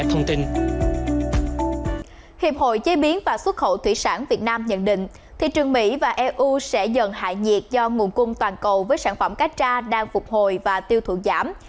thị biến và xuất khẩu thủy sản việt nam nhận định thị trường mỹ và eu sẽ dần hại nhiệt do nguồn cung toàn cầu với sản phẩm cá tra đang phục hồi và tiêu thụ giảm